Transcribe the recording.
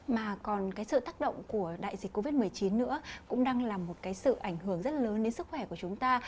mà còn cái sự tác động của đại dịch covid một mươi chín nữa cũng đang là một cái sự ảnh hưởng rất lớn đến sức khỏe của chúng ta